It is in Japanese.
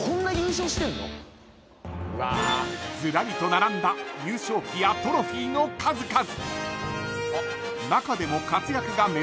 ［ずらりと並んだ優勝旗やトロフィーの数々］